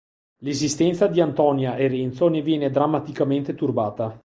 L'esistenza di Antonia e Renzo ne viene drammaticamente turbata.